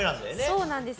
そうなんですよ。